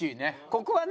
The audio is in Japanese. ここはね